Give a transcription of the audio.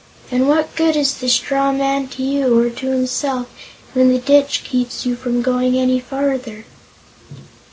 "And what good is the straw man to you, or to himself, when the ditch keeps you from going any further?"